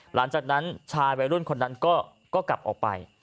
หลังจากนั้นชายวัยรุ่นคนนั้นก็กลับออกไป